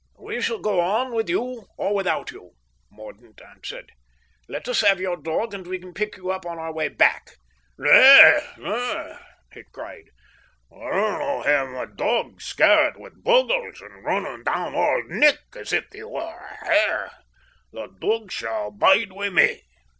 "We shall go on with you or without you," Mordaunt answered. "Let us have your dog and we can pick you up on our way back." "Na, na," he cried, "I'll no' hae my dog scaret wi' bogles, and running down Auld Nick as if he were a hare. The dog shall bide wi' me."